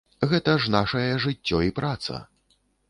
Гэта ж нашае жыццё і праца.